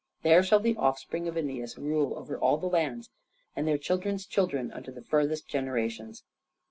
There shall the offspring of Æneas rule over all the lands, and their children's children unto the furthest generations."